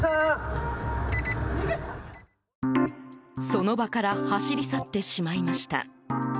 その場から走り去ってしまいました。